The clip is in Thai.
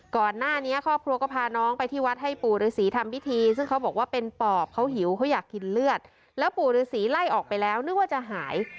ครอบครัวก็พาน้องไปที่วัดให้ปู่ฤษีทำพิธีซึ่งเขาบอกว่าเป็นปอบเขาหิวเขาอยากกินเลือดแล้วปู่ฤษีไล่ออกไปแล้วนึกว่าจะหาย